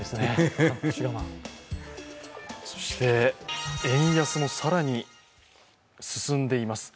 そして円安も更に進んでいます。